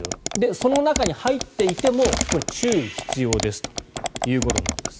その中に入っていてもこれ、注意が必要ですということになります。